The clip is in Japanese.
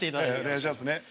お願いしますね。